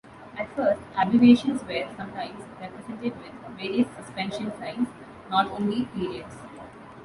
At first, abbreviations were sometimes represented with various suspension signs, not only periods.